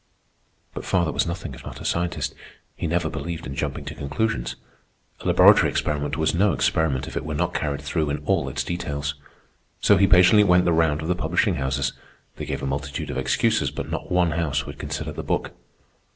But father was nothing if not a scientist. He never believed in jumping to conclusions. A laboratory experiment was no experiment if it were not carried through in all its details. So he patiently went the round of the publishing houses. They gave a multitude of excuses, but not one house would consider the book.